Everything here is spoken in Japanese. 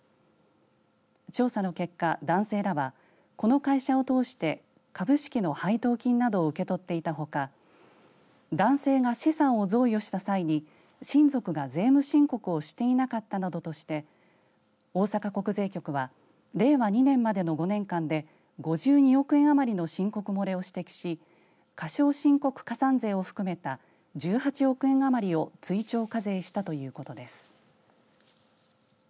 調査の結果、男性らはこの会社を通して株式の配当金などを受け取っていたほか男性が資産を贈与した際に親族が税務申告をしていなかったなどとして大阪国税局は令和２年までの５年間で５２億円余りの申告漏れを指摘し過少申告加算税を含めた１８億円余りを追徴課税したということです。